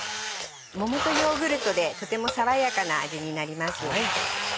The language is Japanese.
桃とヨーグルトでとても爽やかな味になります。